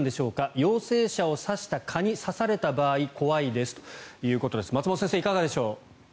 陽性者を刺した蚊に刺された場合怖いですということですが松本先生、いかがでしょう。